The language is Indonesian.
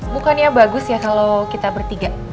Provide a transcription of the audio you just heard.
bukannya bagus ya kalau kita bertiga